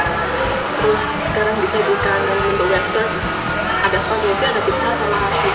terus sekarang bisa di ikan ada spaghetti ada pizza sama hasusya